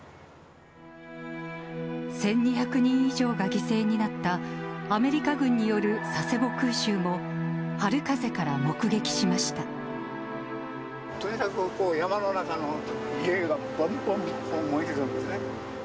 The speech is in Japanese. １２００人以上が犠牲になった、アメリカ軍による佐世保空襲も、とにかく、山の中の家がぼんぼんぼんぼん燃えてるんですね。